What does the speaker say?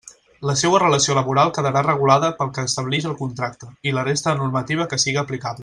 La seua relació laboral quedarà regulada pel que establix el contracte i la resta de normativa que siga aplicable.